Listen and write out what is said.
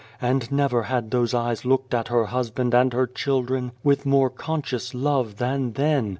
And never had those eyes looked at her husband and at her children with more conscious love than then.